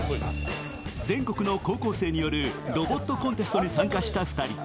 全国の高校生によるロボットコンテストに参加した２人。